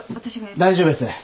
大丈夫です。